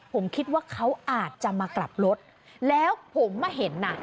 ผมคิดว่าเขาอาจจะมากลับรถแล้วผมมาเห็นน่ะ